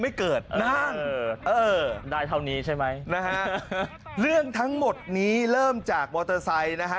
ไม่เกิดนั่งเออได้เท่านี้ใช่ไหมนะฮะเรื่องทั้งหมดนี้เริ่มจากมอเตอร์ไซค์นะฮะ